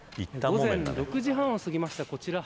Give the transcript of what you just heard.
午前６時半を過ぎました